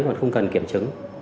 còn không cần kiểm chứng